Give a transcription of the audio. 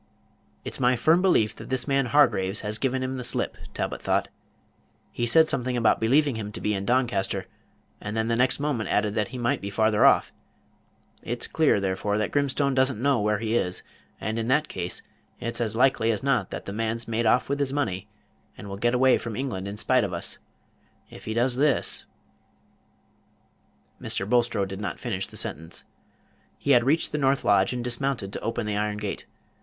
"It's my firm belief that this man Hargraves has given him the slip," Talbot thought. "He said something about believing him to be in Doncaster, and then the next moment added that he might be farther off. It's clear, therefore, that Grimstone does n't know where he is; and in that case, it's as likely as not that the man's made off with his money, and will get away from England in spite of us. If he does this " Mr. Bulstrode did not finish the sentence. He had reached the north lodge, and dismounted to open the iron gate.